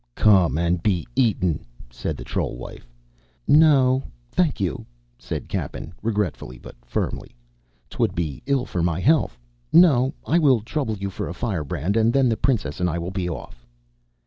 "Come and be eaten," said the troll wife. "No, thank you," said Cappen, regretfully but firmly. "'Twould be ill for my health. No, I will but trouble you for a firebrand and then the princess and I will be off."